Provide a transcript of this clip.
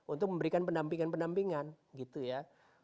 untuk memberikan pendampingan pendampingan gitu ya